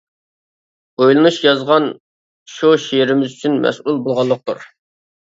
ئويلىنىش يازغان شۇ شېئىرىمىز ئۈچۈن مەسئۇل بولغانلىقتۇر.